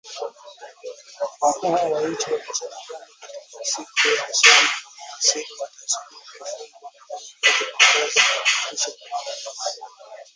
Wakuu hao wa nchi wamesema kwamba katika siku za usoni, mawaziri na wataalamu wa kiufundi watafanya kazi kwa kasi kuhakikisha kwamba.